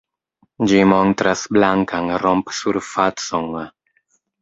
Ĝi montras blankan romp-surfacon.